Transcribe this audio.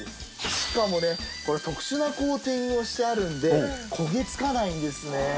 しかもねこれ特殊なコーティングをしてあるんで焦げつかないんですね。